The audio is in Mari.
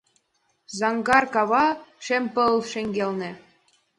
Заҥгар кава — шем пыл шеҥгелне.